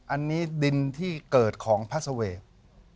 อันนี้ดินที่เกิดของพระเสวก